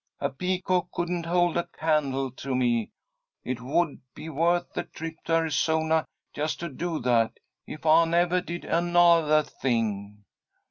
A peacock couldn't hold a candle to me. It would be worth the trip to Arizona just to do that, if I nevah did anothah thing.